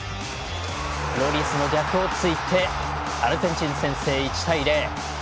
ロリスの逆を突いてアルゼンチンが先制、１対０。